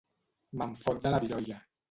Me'n fot de la virolla.